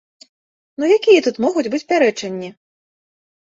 Ну якія тут могуць быць пярэчанні?